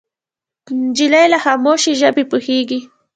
نجلۍ له خاموشۍ ژبه پوهېږي.